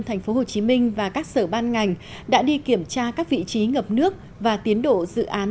thành phố hồ chí minh và các sở ban ngành đã đi kiểm tra các vị trí ngập nước và tiến độ dự án